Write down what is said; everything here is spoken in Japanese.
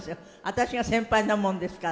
私が先輩なもんですから。